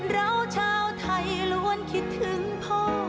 เราชาวไทยล้วนคิดถึงพ่อ